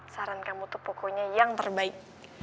saran kamu tuh pokoknya yang terbaik